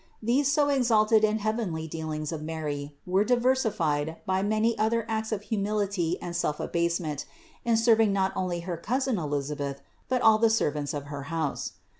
These so exalted and heavenly dealings of Mary were diversified by many other acts of humility and self abasement in serving not only her cousin Elisabeth, but also the servants of her house.